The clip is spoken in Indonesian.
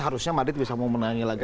harusnya madrid bisa mau menang lagi